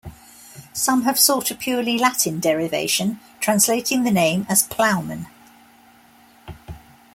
Some have sought a purely Latin derivation, translating the name as "plowman".